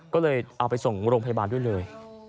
ก็เลยเอาไปส่งโรงพยาบาลด้วยเลย